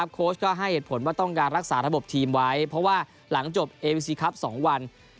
โค้ชก็ให้เหตุผลว่าต้องการรักษาระบบทีมไว้เพราะว่าหลังจบเอวิซีครับ๒วัน